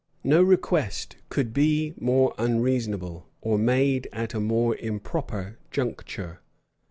No request could be more unreasonable, or made at a more improper juncture.